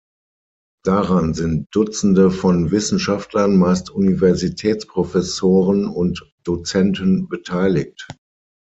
Daran sind Dutzende von Wissenschaftlern, meist Universitätsprofessoren und -dozenten, beteiligt.